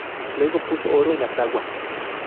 Luego, puso oro en la fragua.